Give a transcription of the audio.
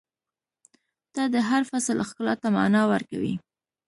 • ته د هر فصل ښکلا ته معنا ورکوې.